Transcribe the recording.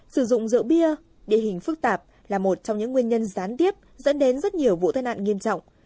sử dụng rượu bia địa hình phức tạp là một trong những nguyên nhân gián tiếp dẫn đến rất nhiều vụ tai nạn nghiêm trọng